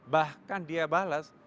bahkan dia balas